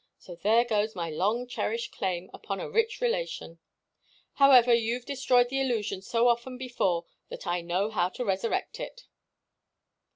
So there goes my long cherished claim upon a rich relation. However, you've destroyed the illusion so often before that I know how to resurrect it."